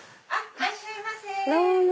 いらっしゃいませ。